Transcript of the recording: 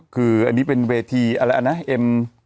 คืออันนี้เป็นเวทีอะไรอันนั้น